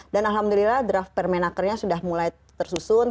dan alhamdulillah draft permenakernya sudah mulai tersusun